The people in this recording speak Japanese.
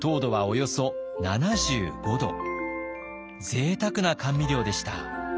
ぜいたくな甘味料でした。